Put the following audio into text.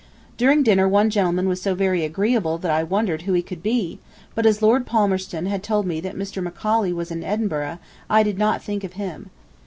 During dinner one gentleman was so very agreeable that I wondered who he could be, but as Lord Palmerston had told me that Mr. Macaulay was in Edinburgh, I did not think of him.